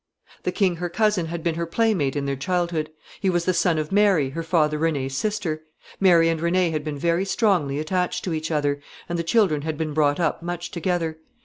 The king her cousin had been her playmate in their childhood. He was the son of Mary, her father René's sister. Mary and René had been very strongly attached to each other, and the children had been brought up much together.